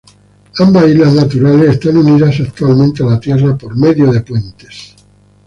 Ambas islas naturales están unidas actualmente a la tierra por medio de puentes.